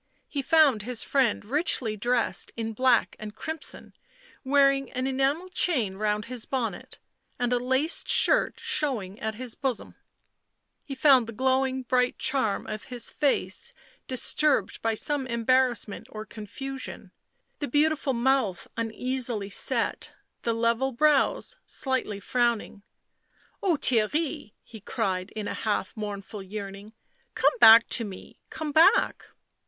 He found his friend richly dressed in black and crimson, wearing an enamel chain round his bonnet, and a laced shirt showing at his bosom; he found the glowing bright charm of his face dis turbed by some embarrassment or confusion, the beautiful mouth uneasily set, the level brows slightly frowning. tl Oh, Theirry!" he cried in a half mournful yearning. " Come back to me — come back."